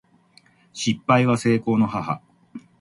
失敗は成功の母